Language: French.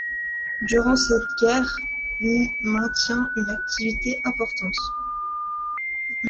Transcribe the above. Durant cette guerre l’ maintient une activité importante.